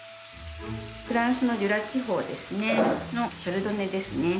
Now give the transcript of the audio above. フランスのジュラ地方ですねのシャルドネですね。